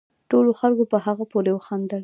ټولو خلقو په هغه پورې وخاندل